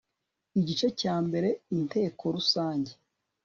igice cya mbre inteko rusange